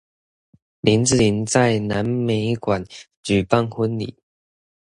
林志玲在南美館舉辦婚禮